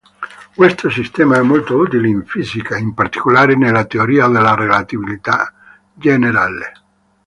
Questo sistema è molto utile in fisica, in particolare nella teoria della relatività generale.